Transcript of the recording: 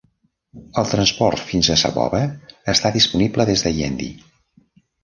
El transport fins a Saboba està disponible des de Yendi.